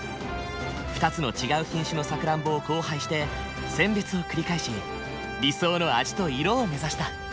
２つの違う品種のさくらんぼを交配して選別を繰り返し理想の味と色を目指した。